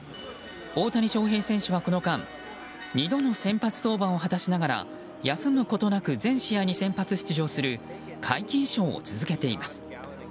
大谷翔平選手は、この間２度の先発登板を果たしながら休むことなく全試合に先発出場する皆勤賞を続けています。